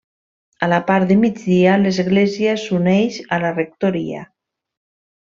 A la part de migdia l'església s'uneix a la rectoria.